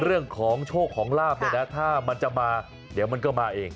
เรื่องของโชคของลาบเนี่ยนะถ้ามันจะมาเดี๋ยวมันก็มาเอง